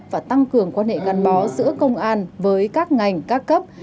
và tăng cường quan hệ gắn bó giữa công an với các ngành các cấp